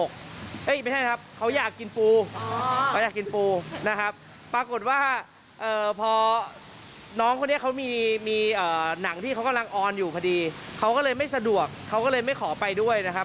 เขาก็เลยไม่สะดวกเขาก็เลยไม่ขอไปด้วยนะครับ